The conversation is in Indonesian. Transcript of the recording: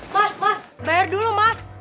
mas mas bayar dulu mas